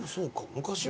昔は。